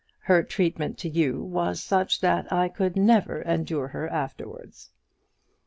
Her treatment to you was such that I could never endure her afterwards.